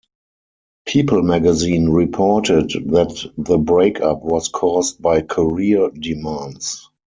"People" magazine reported that the breakup was caused by career demands.